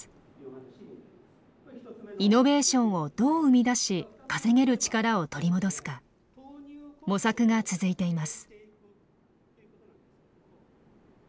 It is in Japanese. イノベーションをどう生み出し稼げる力を取り戻すか模索が続いています。